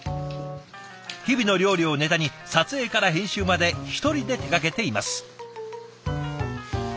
日々の料理をネタに撮影から編集まで１人で手がけています。